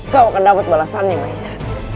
kau akan dapat balasannya maisa